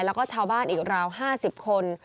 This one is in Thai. แล้วก็ชาวบ้านอีกราว๕๐คน